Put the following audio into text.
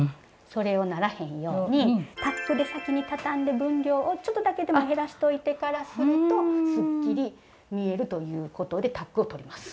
それをならへんようにタックで先にたたんで分量をちょっとだけでも減らしといてからするとすっきり見えるということでタックをとります。